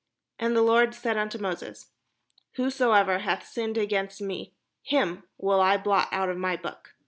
And the Lord said unto Moses: "Whosoever hath sinned against me, him will I blot out of my book.